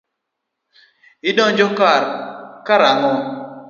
Idonjo ka karang'o.